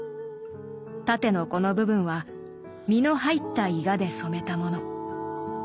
縦のこの部分は実の入ったイガで染めたもの。